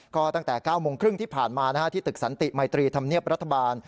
ก็ตั้งแต่๙โมงครึ่งที่ผ่านมาที่ตึกสันติมัยตรีธรรมเนียบรัฐบาล